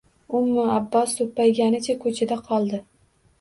Ummu Abbos so`ppayganicha ko`chada qoldi